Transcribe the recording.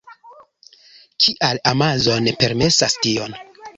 Kial Amazon permesas tion?